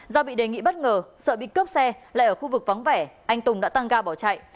do bị đề nghị bất ngờ sợ bị cướp xe lại ở khu vực vắng vẻ anh tùng đã tăng ga bỏ chạy